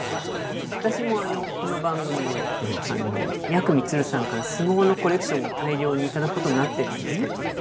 私もこの番組でやくみつるさんから相撲のコレクションを大量に頂く事になってるんですけども。